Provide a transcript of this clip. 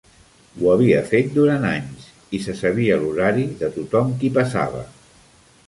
Ho havia fet durant anys i se sabia l'horari de tothom qui passava.